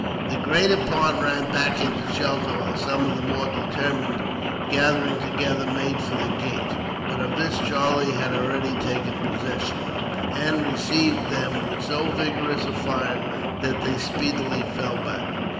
The greater part ran back into shelter, while some of the more determined, gathering together, made for the gate. But of this Charlie had already taken possession, and received them with so vigorous a fire that they speedily fell back.